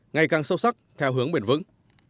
ngày càng sâu sắc theo hướng biển vững